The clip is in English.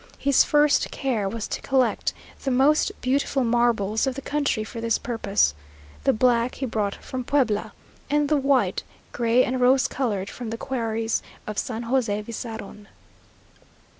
His first care was to collect the most beautiful marbles of the country for this purpose the black he brought from Puebla, and the white, gray and rose coloured from the quarries of San José Vizarron.